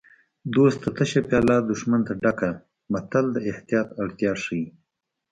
دوست ته تشه پیاله دښمن ته ډکه متل د احتیاط اړتیا ښيي